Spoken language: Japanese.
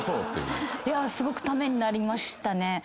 すごくためになりましたね。